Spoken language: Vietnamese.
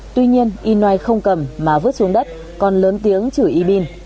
tuy nhiên inoai không cầm mà vứt xuống đất còn lớn tiếng chửi yibin